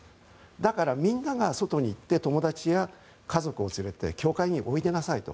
だから、みんなが外に行って友達や家族を連れて教会においでなさいと。